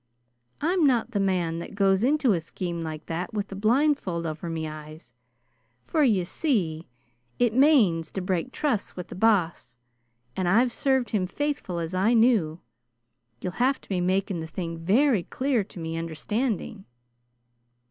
I'm not the man that goes into a scheme like that with the blindfold over me eyes, for, you see, it manes to break trust with the Boss; and I've served him faithful as I knew. You'll have to be making the thing very clear to me understanding."